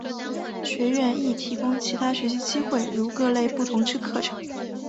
学院亦提供其他学习机会如各类不同之课程。